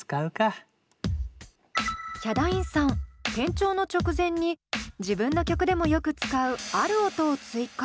ヒャダインさん転調の直前に自分の曲でもよく使うある音を追加。